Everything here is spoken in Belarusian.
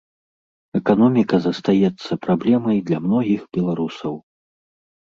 Эканоміка застаецца праблемай для многіх беларусаў.